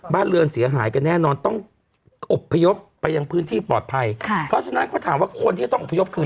บ้านเรือนเสียหายกันแน่นอนต้องอบพยพไปยังพื้นที่ปลอดภัยค่ะเพราะฉะนั้นเขาถามว่าคนที่จะต้องอบพยพคือ